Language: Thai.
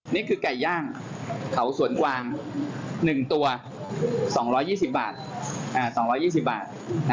นี่คือกาไก่ยากเขาสวนกวาง๑ตัว๒๒๐บาท